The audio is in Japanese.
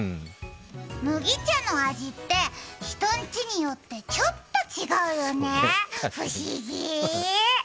麦茶の味って人んちによってちょっと違うよね、不思議。